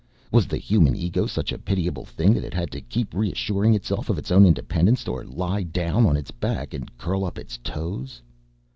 Was the human ego such a pitiable thing that it had to keep reassuring itself of its own independence or lie down on its back and curl up its toes?